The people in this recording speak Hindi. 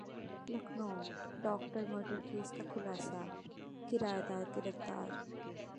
लखनऊ: डॉक्टर मर्डर केस का खुलासा, किरायेदार गिरफ्तार